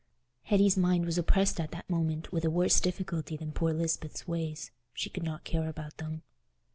Hetty's mind was oppressed at that moment with a worse difficulty than poor Lisbeth's ways; she could not care about them.